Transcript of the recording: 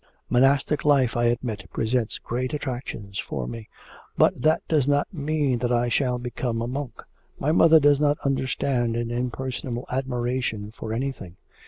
Monastic life, I admit, presents great attractions for me, but that does not mean that I shall become a monk. My mother does not understand an impersonal admiration for anything.